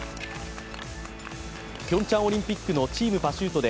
ピョンチャンオリンピックのチームパシュートで